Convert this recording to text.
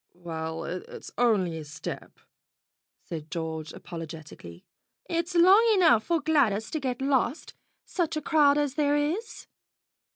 "Well, it's only a step," said George apologetically. "It's long enough for Gladys to get lost, such a crowd as there is.